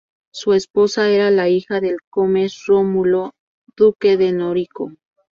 Su esposa era la hija del "comes" Rómulo, duque de Nórico.